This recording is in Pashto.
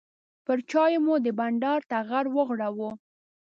پر چایو مو د بانډار ټغر وغوړاوه.